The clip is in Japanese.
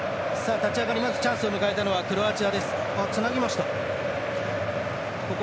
立ち上がり、チャンスを迎えたのはクロアチアです。